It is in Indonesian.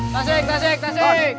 tasik tasik tasik